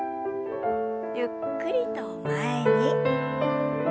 ゆっくりと前に。